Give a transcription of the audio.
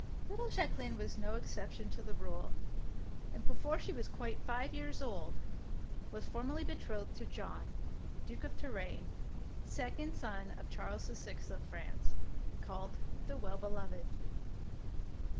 Little Jacqueline was no exception to the rule, and before she was quite five years old was formally betrothed to John, Duke of Tourraine, second son of Charles the Sixth of France, called the "Well beloved."